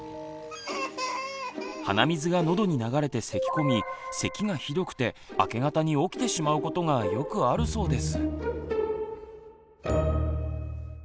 鼻水がのどに流れてせきこみせきがひどくて明け方に起きてしまうことがよくあるそうです。